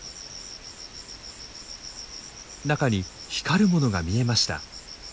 中に光るものが見えました。